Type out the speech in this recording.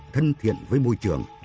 thân thiện với môi trường